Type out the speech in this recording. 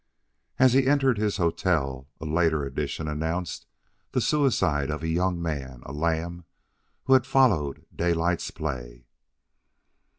As he entered his hotel, a later edition announced the suicide of a young man, a lamb, who had followed Daylight's play.